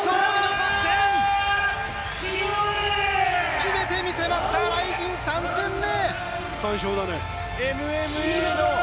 決めてみせましたＲＩＺＩＮ３戦目！